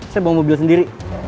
saya bawa mobil sendiri